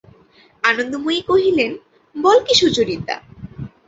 আনন্দময়ী কহিলেন, বল কী সুচরিতা!